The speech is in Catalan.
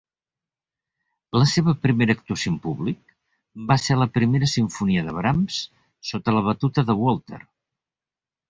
La seva primera actuació en públic va ser la Primera Simfonia de Brahms sota la batuta de Walter.